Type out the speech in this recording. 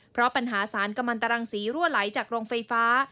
เพราะปัญหาสารกำลังตรังสีรั่วไหลจากโรงไฟฟ้า